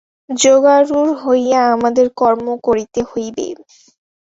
যোগারূঢ় হইয়া আমাদের কর্ম করিতে হইবে।